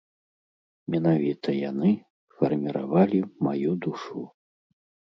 Менавіта яны фарміравалі маю душу.